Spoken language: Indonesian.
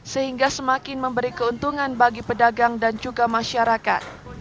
sehingga semakin memberi keuntungan bagi pedagang dan juga masyarakat